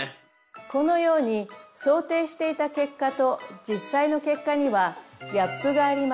このように想定していた結果と実際の結果にはギャップがあります。